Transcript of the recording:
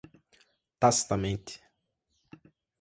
tacitamente